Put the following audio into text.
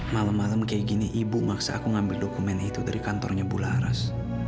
malam malam kayak gini ibu maksa aku ngambil dokumen itu dari kantornya bula haras